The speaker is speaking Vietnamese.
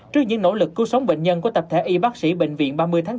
trước những nỗ lực cứu sống bệnh nhân của tập thể y bác sĩ bệnh viện ba mươi tháng bốn